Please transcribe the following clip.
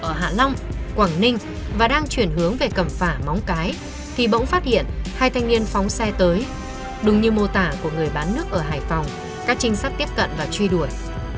trong khi các trinh sát ở hạ long quảng ninh và đang chuyển hướng về cầm phả móng cái thì bỗng phát hiện hai thanh niên phóng xe tới đúng như mô tả của người bán nước ở hải phòng các trinh sát tiếp cận và truy đuổi